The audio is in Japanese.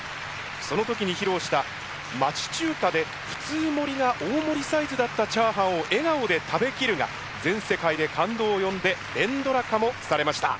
その時に披露した「町中華で普通盛りが大盛りサイズだったチャーハンを笑顔で食べきる」が全世界で感動を呼んで連ドラ化もされました。